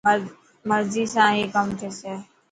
مرضي سان هي ڪم ٿيسي.